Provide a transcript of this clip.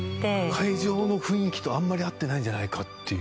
会場の雰囲気とあんまり合ってないんじゃないかっていう。